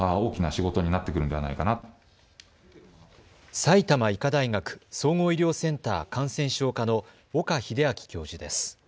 埼玉医科大学医科総合医療センター感染症科の岡秀昭教授です。